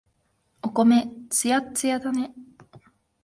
お米、つやっつやだね。